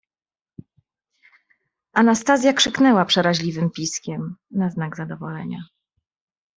"Anastazja krzyknęła przeraźliwym piskiem na znak zadowolenia."